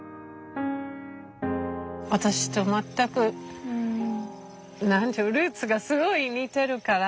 私と全くルーツがすごい似てるから。